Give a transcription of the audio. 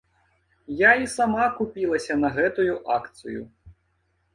Я і сама купілася на гэтую акцыю.